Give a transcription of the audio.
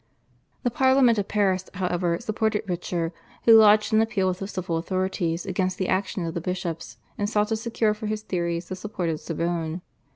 The Parliament of Paris, however, supported Richer, who lodged an appeal with the civil authorities against the action of the bishops, and sought to secure for his theories the support of the Sorbonne.